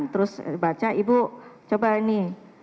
terus baca ibu coba ini